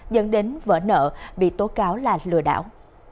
dẫn đến vỡ nợ bị tố cáo là lừa đảo